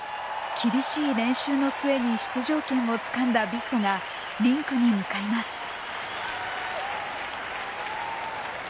厳しい練習の末に出場権をつかんだビットがリンクに向かいます。